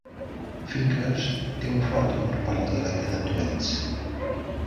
Finkers té un fort amor pel dialecte de Tweants.